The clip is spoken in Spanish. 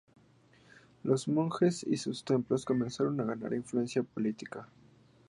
Los monjes y sus templos comenzaron a ganar influencia política.